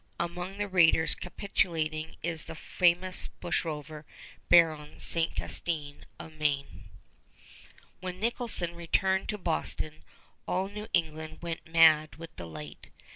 Among the raiders capitulating is the famous bushrover Baron St. Castin of Maine. When Nicholson returned to Boston all New England went mad with delight.